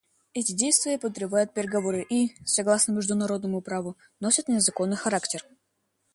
Эти действия подрывают переговоры и, согласно международному праву, носят незаконный характер.